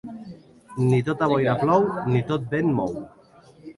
Ni tota boira plou, ni tot vent mou.